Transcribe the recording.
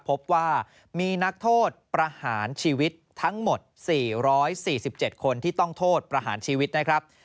พบว่ามีนักโทษประหารชีวิตทั้งหมด๔๔๗คนที่ต้องโทษประหารชีวิตนะครับ